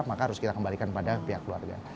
maka harus kita kembalikan pada pihak keluarga